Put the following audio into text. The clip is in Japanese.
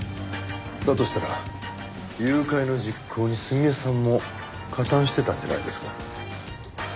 だとしたら誘拐の実行に澄江さんも加担してたんじゃないですか？